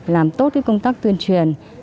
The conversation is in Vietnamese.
làm tốt cái công tác tuyên truyền